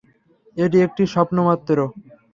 এটি একটি স্বপ্ন মাত্র।